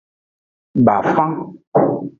Bafan.